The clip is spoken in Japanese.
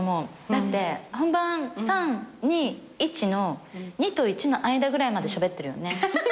だって「本番３２１」の２と１の間ぐらいまでしゃべってるよね。